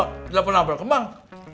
tidak pernah berkembang